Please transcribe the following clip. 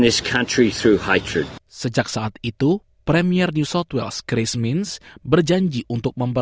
itu adalah prioritas dan agenda pemerintah